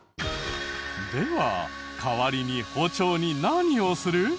では代わりに包丁に何をする？